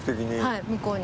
はい向こうに。